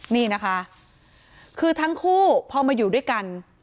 นี่นะคะคือทั้งคู่พอมาอยู่ด้วยกัน